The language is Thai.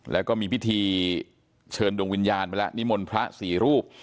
แล้วก็มีพิธีเชิญดวงวิญญาณไปแล้วนิมนต์พระสี่รูป